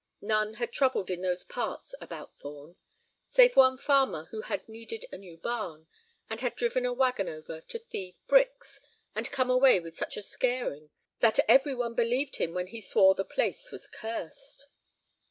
None had troubled in those parts about Thorn, save one farmer who had needed a new barn, and had driven a wagon over to thieve bricks, and come away with such a scaring that every one believed him when he swore the place was cursed.